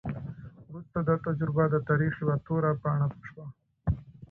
وروسته دا تجربه د تاریخ یوه توره پاڼه شوه.